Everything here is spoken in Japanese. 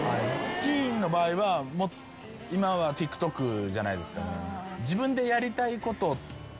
ティーンの場合は今はＴｉｋＴｏｋじゃないですかね。